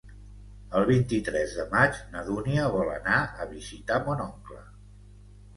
El vint-i-tres de maig na Dúnia vol anar a visitar mon oncle.